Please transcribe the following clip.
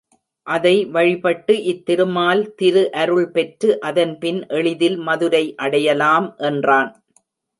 அதை வழிபட்டு இத்திருமால் திருஅருள் பெற்று அதன் பின் எளிதில் மதுரை அடையலாம் என்றான்.